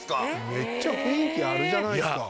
めっちゃ雰囲気あるじゃないですか。